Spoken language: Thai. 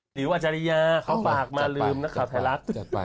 ๋วอัจฉริยาเขาฝากมาลืมนักข่าวไทยรัฐ